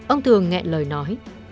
ông thường nghẹn lời nói